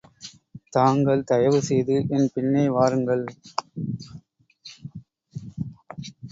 தாங்கள் தயவுசெய்து என் பின்னே வாருங்கள்!